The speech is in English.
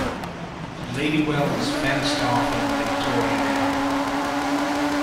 The Ladywell was fenced off in the Victorian era.